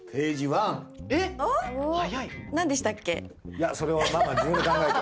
いやそれはママ自分で考えて。